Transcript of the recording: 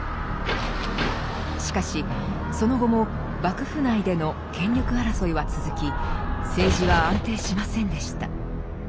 しかしその後も幕府内での権力争いは続き政治は安定しませんでした。